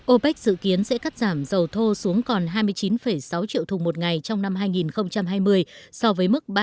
opec dự kiến sẽ cắt giảm dầu thô xuống còn hai mươi chín sáu triệu thùng một ngày trong năm hai nghìn hai mươi so với mức ba mươi